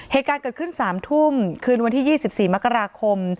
เหตุการณ์เกิดขึ้น๓ทุ่มคืนวันที่๒๔มกราคม